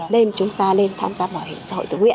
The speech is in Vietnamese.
nên chúng ta nên tham gia bảo hiểm xã hội